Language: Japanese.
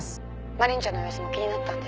「マリンちゃんの様子も気になってたんで」